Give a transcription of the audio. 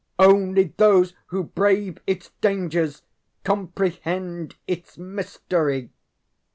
ŌĆ£ŌĆśOnly those who brave its dangers Comprehend its mystery.